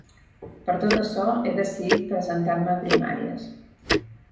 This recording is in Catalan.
Per tot açò he decidit presentar-me a primàries.